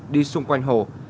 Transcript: đi xung quanh hồ